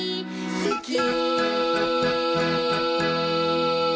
「すき」